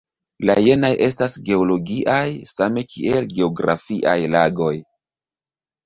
La jenaj estas geologiaj same kiel geografiaj lagoj.